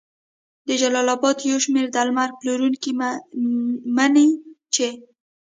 د جلال اباد یو شمېر درمل پلورونکي مني چې